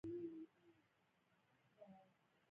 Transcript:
ښاغلي ډاربي د غلبې دغه غير عادي کيسه تکرار کړه.